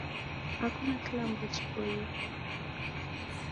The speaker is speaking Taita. Hakuna kilambo chiboie sa kuseka